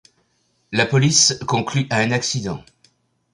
La police conclut à un accident.